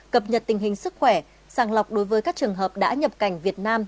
cập nhật tình hình sức khỏe sàng lọc đối với các trường hợp đã nhập cảnh việt nam